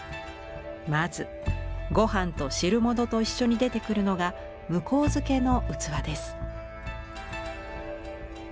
まずご飯と汁物と一緒に出てくるのが「向付」の器です。